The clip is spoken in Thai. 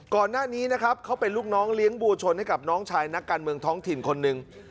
ก่อนหน้านี้นะครับเขาเป็นลูกน้องเลี้ยงบัวชนให้กับน้องชายนักการเมืองท้องถิ่นคนหนึ่ง